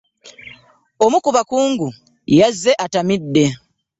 Omu ku bakungu yazze atamidde.